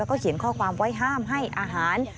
เขียนข้อความไว้ห้ามให้อาหาร